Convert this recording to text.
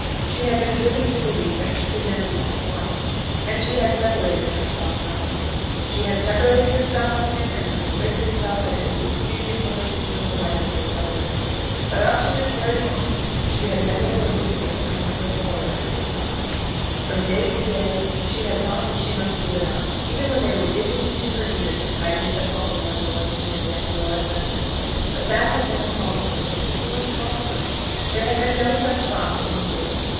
She had been driven to believe that she could never be his wife, and she had separated herself from him. She had separated herself from him, and persuaded herself that it would be expedient for her to become the wife of this other man. But up to this very moment she had never been able to overcome her horror at the prospect. From day to day she had thought that she must give it up, even when they were dinning into her ears the tidings that Walter Marrable was to marry that girl at Dunripple. But that had been a falsehood, an absolute falsehood. There had been no such thought in his bosom.